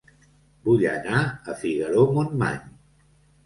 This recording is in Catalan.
Vull anar a Figaró-Montmany